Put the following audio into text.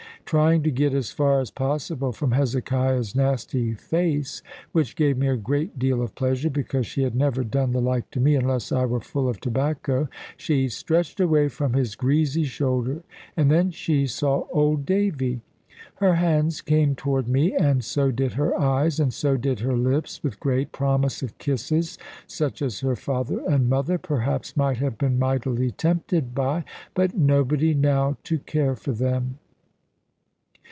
Trying to get as far as possible from Hezekiah's nasty face which gave me a great deal of pleasure, because she had never done the like to me, unless I were full of tobacco she stretched away from his greasy shoulder, and then she saw old Davy. Her hands came toward me, and so did her eyes, and so did her lips, with great promise of kisses, such as her father and mother perhaps might have been mightily tempted by; but nobody now to care for them.